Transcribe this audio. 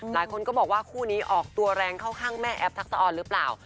หลายคนก็บอกว่าคู่นี้ออกตัวแรงเข้าข้างแม่แอฟทักษะออนหรือเปล่า